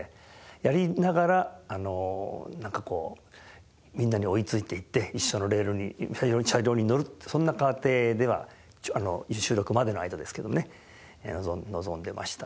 やりながらなんかこうみんなに追いついていって一緒のレールに一緒の車両に乗るってそんな過程では一応収録までの間ですけどね臨んでましたね。